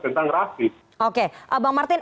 tentang rapid oke bang martin